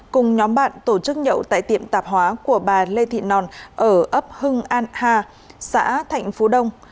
cùng nhóm bạn tổ chức nhậu tại tiệm tạp hóa của bà lê thị nòn ở ấp hưng an a xã thạnh phú đông